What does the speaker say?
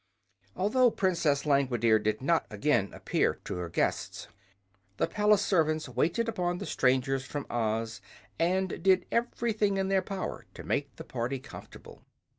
Although Princess Langwidere did not again appear to her guests, the palace servants waited upon the strangers from Oz and did everything in their power to make the party comfortable.